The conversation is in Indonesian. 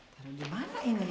taruh di mana ini